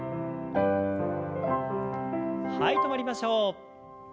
はい止まりましょう。